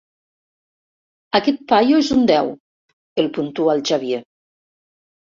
Aquest paio és un deu —el puntua el Xavier.